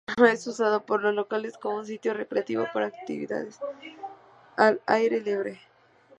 Es usado por los locales como un sitio recreativo para actividades al aire libre